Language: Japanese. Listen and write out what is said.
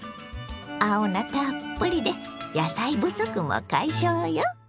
青菜たっぷりで野菜不足も解消よ！